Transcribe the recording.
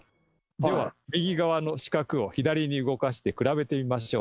では右側の四角を左に動かして比べてみましょう。